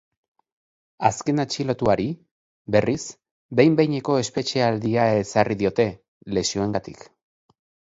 Azken atxilotuari, berriz, behin-behineko espetxealdia ezarri diote, lesioengatik.